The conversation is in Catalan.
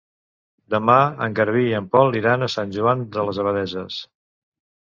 Demà en Garbí i en Pol iran a Sant Joan de les Abadesses.